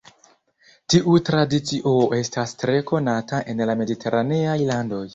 Tiu tradicio estas tre konata en la mediteraneaj landoj.